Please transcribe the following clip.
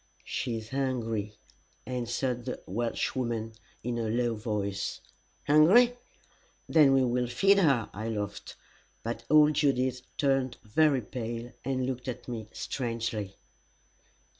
"She is hungry," answered the Welshwoman, in a low voice. "Hungry? Then we will feed her." I laughed. But old Judith turned very pale, and looked at me strangely.